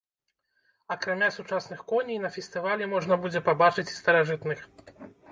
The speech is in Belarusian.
Акрамя сучасных коней на фестывалі можна будзе пабачыць і старажытных.